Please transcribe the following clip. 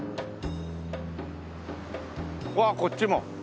わあこっちも！